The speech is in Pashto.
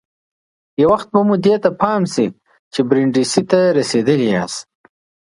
یو وخت به مو دې ته پام شي چې برېنډېسي ته رسېدلي یاست.